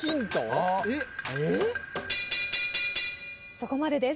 そこまでです。